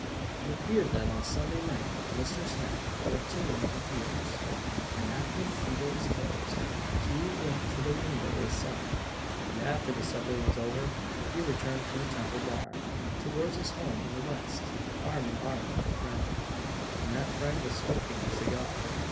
" It appeared that on Saturday night Mr. Smith went to one of the Theatres; and after the Theatre was closed, he went to the Rainbow to sup; and, after the supper was over, he returned through Temple bar, towards his home in the West, arm in arm with a friend; and that friend was smoking a cigar.